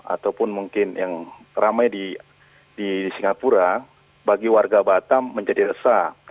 ataupun mungkin yang ramai di singapura bagi warga batam menjadi resah